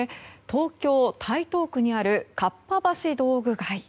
東京・台東区にあるかっぱ橋道具街。